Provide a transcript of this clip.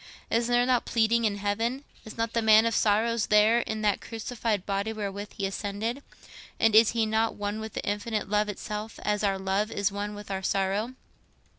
Is there not pleading in heaven? Is not the Man of Sorrows there in that crucified body wherewith he ascended? And is He not one with the Infinite Love itself—as our love is one with our sorrow?